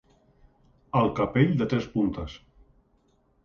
El capell de tres puntes.